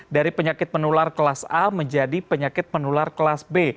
dari penyakit menular kelas a menjadi penyakit menular kelas b